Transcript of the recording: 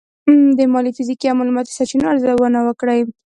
د مالي، فزیکي او معلوماتي سرچینو ارزونه وکړئ.